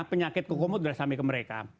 penyakit koko mut berasal dari mereka